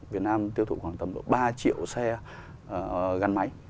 việt nam tiêu thụ khoảng tầm độ ba triệu xe gắn máy